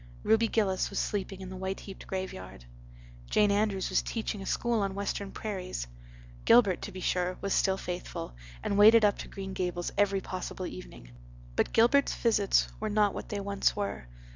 Ruby Gillis was sleeping in the white heaped graveyard; Jane Andrews was teaching a school on western prairies. Gilbert, to be sure, was still faithful, and waded up to Green Gables every possible evening. But Gilbert's visits were not what they once were.